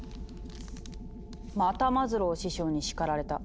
「またマズロー師匠に叱られた。